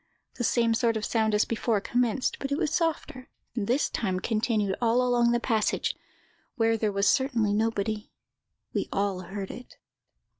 The same sort of sound as before commenced, but it was softer, and this time continued all along the passage, where there was certainly nobody. We all heard it.